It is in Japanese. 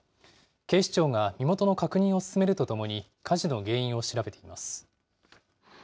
警視庁が身元の確認を進めるとともに、火事の原因を調べています。